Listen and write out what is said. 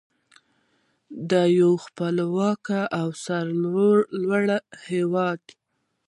د یو خپلواک او سرلوړي هیواد.